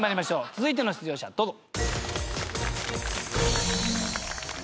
続いての出場者どうぞ。